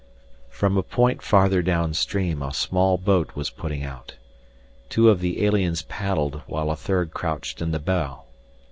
From a point farther downstream a small boat was putting out. Two of the aliens paddled while a third crouched in the bow.